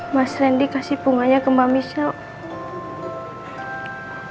mas randy kasih bunganya ke mbak misel